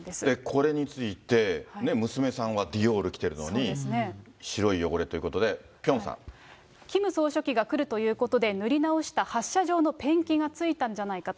これについて娘さんはディオール着てるのに、白い汚れというキム総書記が来るということで、塗り直した発射場のペンキがついたんじゃないかと。